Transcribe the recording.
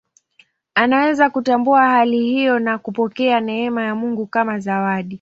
Anaweza kutambua hali hiyo na kupokea neema ya Mungu kama zawadi.